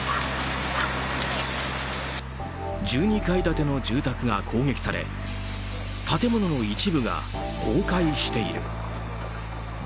１２階建ての住宅が攻撃され建物の一部が崩壊している。